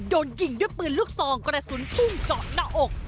โดนยิงด้วยปืนลูกซองกระสุนพุ่งเจาะหน้าอก